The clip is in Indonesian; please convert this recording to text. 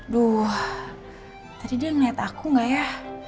duh tadi dia yang liat aku gak ya